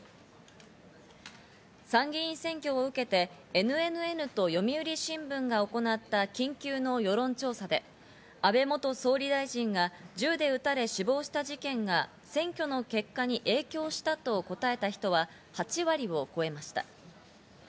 参議院選挙を受けて、ＮＮＮと読売新聞が行った緊急の世論調査で、安倍元総理大臣が銃で撃たれ死亡した事件が選挙の結果に、影響したと答えた人は８割を超えました。